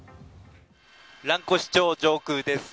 蘭越町上空です。